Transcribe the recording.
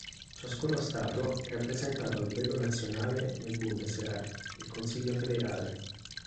Ciascuno stato è rappresentato a livello nazionale nel "Bundesrat", il consiglio federale.